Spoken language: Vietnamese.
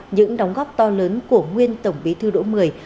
những đóng góp to lớn của nguyên tổng bí thư đỗ mười